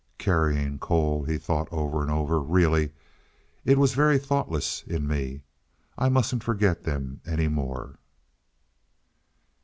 "Carrying coal," he thought, over and over. "Really, it was very thoughtless in me. I mustn't forget them any more."